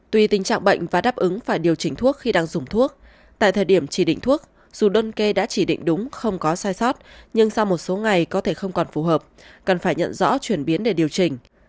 tuy tình trạng bệnh và đáp ứng phải điều chỉnh thuốc khi đang dùng thuốc tại thời điểm chỉ định thuốc dù đơn kê đã chỉ định đúng không có sai sót nhưng sau một số ngày có thể không còn phù hợp cần phải nhận rõ chuyển biến để điều chỉnh